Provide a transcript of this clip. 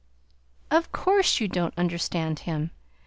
Of course you don't understand Him!